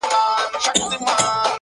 زه وایم داسي وو لکه بې جوابه وي سوالونه,